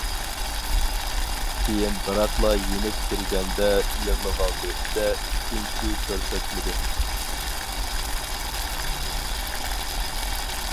كىيىن بىراقلا يېنىپ كىرگەندە يىغىۋالدى-دە ئىككىنچى كۆرسەتمىدى.